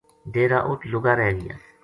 ڈیرا اُت لُگا رہ گیا